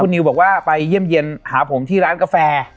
นิวบอกว่าไปเยี่ยมเยี่ยมหาผมที่ร้านกาแฟ